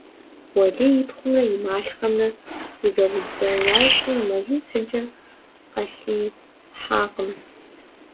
Уэлий и пхъумрэ и малъхъэмрэ гузэрыдзэ ящӀри, мазитӀ-щыкӀэ къалъихьакъым.